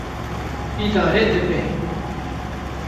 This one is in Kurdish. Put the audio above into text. Îdare dibe.